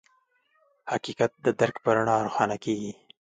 حقیقت د درک په رڼا روښانه کېږي.